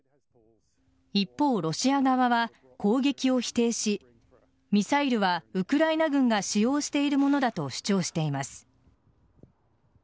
一方、ロシア側は攻撃を否定しミサイルはウクライナ軍が使用しているものだと主張しています。